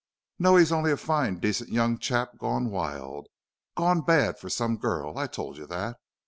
"No. He's only a fine, decent young chap gone wild gone bad for some girl. I told you that.